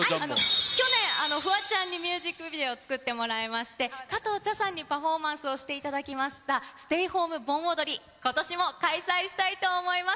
去年、フワちゃんにミュージックビデオを作ってもらいまして、加藤茶さんにパフォーマンスをしていただきました、ステイホーム盆踊り、ことしも開催したいと思います。